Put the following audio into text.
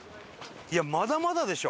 まだまだでしょ。